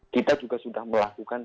kita juga sudah melakukan